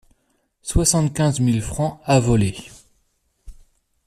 Soixante-quinze mille francs à voler.